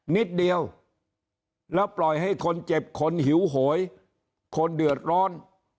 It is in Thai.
นิดเดียวแล้วปล่อยให้คนเจ็บคนหิวโหยคนเดือดร้อน